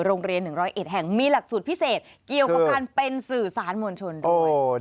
โรงเรียน๑๐๑แห่งมีหลักสูตรพิเศษเกี่ยวกับการเป็นสื่อสารมวลชนด้วย